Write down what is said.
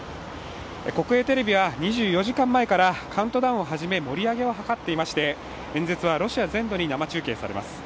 国営テレビは２４時間前からカウントダウンを始め盛り上げを図っていまして演説はロシア全土に生中継されます。